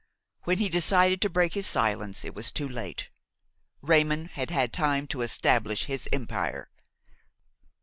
When he decided to break his silence it was too late; Raymon had had time to establish his empire.